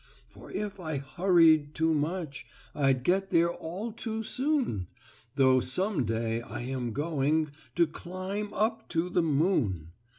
"For if I hurried too much I'd get there all too soon, Though some day I am going To climb up to the moon.